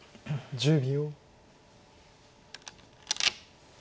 １０秒。